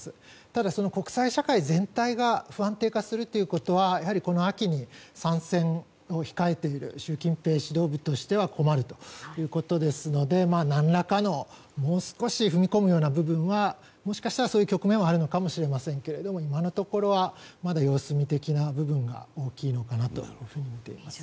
ただ、国際社会全体が不安定化するということはこの秋に３選を控えている習近平指導部としては困るということですので何らかの踏み込むような部分はもしかしたら、そういう局面はあるのかもしれませんが今のところはまだ様子見的な部分が大きいとみております。